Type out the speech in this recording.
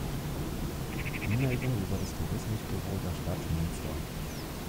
Anmeldung über das Tourismusbüro der Stadt Munster.